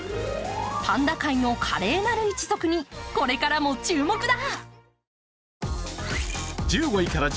パンダ界の華麗なる一族にこれからも注目だ！